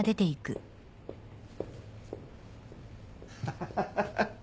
ハハハハ。